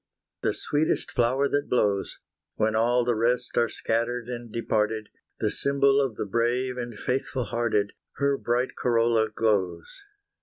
The sweetest flower that blows! When all the rest are scattered and departed, The symbol of the brave and faithful hearted, Her bright corolla glows.